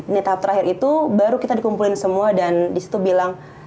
ini tahap terakhir itu baru kita dikumpulin semua dan disitu bilang